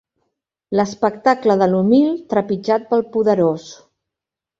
L'espectacle de l'humil trepitjat pel poderós